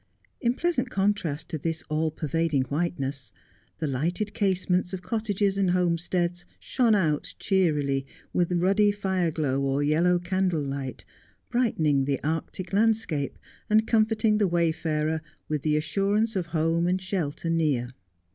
In pleasant contrast to this all pervading whiteness, the lighted casements of cottages and homesteads shone out cheerily with ruddy fire glow or yellow candle light, brightening the arctic landscape, and comforting the wayfarer with the assurance of home and shelter near.